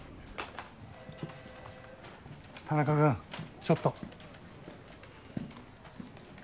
田中君ちょっと。